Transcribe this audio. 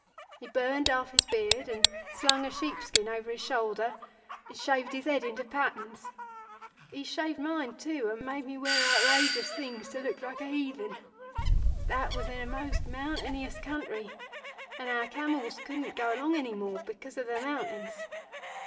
He burned half his beard, and slung a sheep skin over his shoulder, and shaved his head into patterns. He shaved mine, too, and made me wear outrageous things to look like a heathen. That was in a most mountaineous country, and our camels couldn't go along any more because of the mountains.